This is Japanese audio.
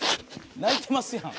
泣いてますやん。